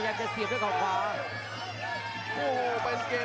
ประโยชน์ทอตอร์จานแสนชัยกับยานิลลาลีนี่ครับ